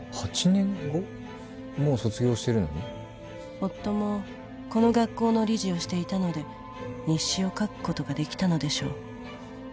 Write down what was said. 夫もこの学校の理事をしていたので日誌を書くことができたのでしょう。